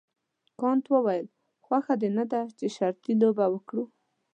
کانت وویل خوښه دې نه ده چې شرطي لوبه وکړو.